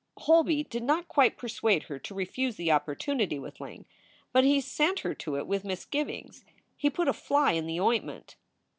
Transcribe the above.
Holby did not quite persuade her to refuse the oppor tunity with Ling, but he sent her to it with misgivings. He put a fly in the ointment.